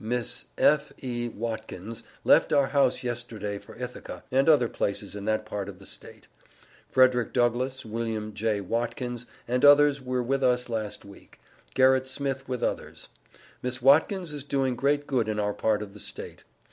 Miss F.E. Watkins left our house yesterday for Ithaca, and other places in that part of the State. Frederick Douglass, Wm. J. Watkins and others were with us last week; Gerritt Smith with others. Miss Watkins is doing great good in our part of the State.